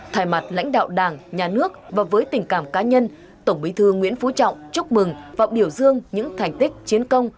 thay mặt lãnh đạo đảng nhà nước và với tình cảm cá nhân tổng bí thư nguyễn phú trọng chúc mừng và biểu dương những thành tích chiến công